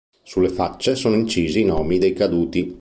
Sulle facce sono incisi i nomi dei caduti.